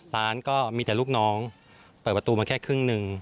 ร้านก็มีแต่ลูกน้องเปิดประตูมาแค่ครึ่งหนึ่ง